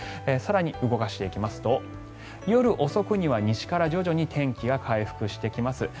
更に、動かしていきますと夜遅くには徐々に天気が回復してきます。